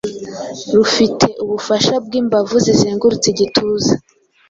rufite ubufasha bw’imbavu zizengurutse igituza.